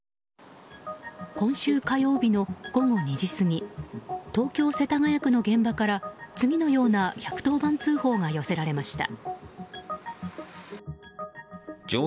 今週火曜日の午後２時過ぎ東京・世田谷区の現場から次のような１１０番通報が寄せられました。